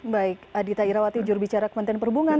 baik adita irawati jurubicara kementerian perhubungan